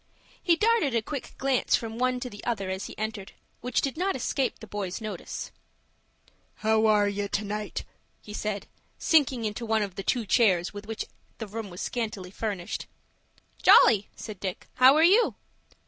He darted a quick glance from one to the other as he entered, which did not escape the boys' notice. "How are ye, to night?" he said, sinking into one of the two chairs with which the room was scantily furnished. "Jolly," said Dick. "How are you?"